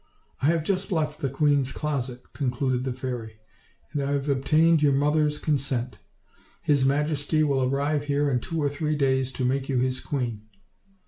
"I have J'ust left the queen's closet," concluded the fairy, "and have obtained your mother's consent. His majesty will arrive here in two or three days, to make you his queen."